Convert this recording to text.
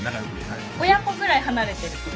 親子ぐらい離れてる。